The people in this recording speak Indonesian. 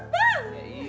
banyak banget bang